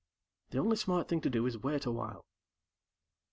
The only smart thing to do is wait a while."